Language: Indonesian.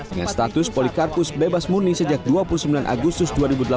dengan status polikarpus bebas murni sejak dua puluh sembilan agustus dua ribu delapan belas